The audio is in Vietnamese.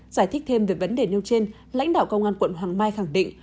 giải thích thêm được vấn đề nêu trên lãnh đạo công an quận hoàng mai khẳng định